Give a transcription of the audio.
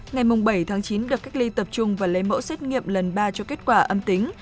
ngày bảy chín được cách ly tập trung và lấy mẫu xét nghiệm lần ba cho kết quả âm tính